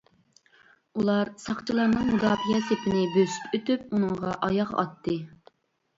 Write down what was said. ئۇلار ساقچىلارنىڭ مۇداپىئە سېپىنى بۆسۈپ ئۆتۈپ ئۇنىڭغا ئاياغ ئاتتى.